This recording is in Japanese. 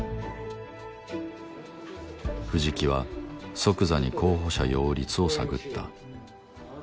藤木は即座に候補者擁立を探った。